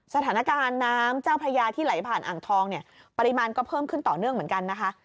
สถานการณ์น้ำเจ้าพระยาที่ไหลผ่านอ่างทองเนี่ยปริมาณก็เพิ่มขึ้นต่อเนื่องเหมือนกันนะคะ